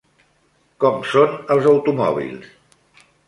Com són els automòbils?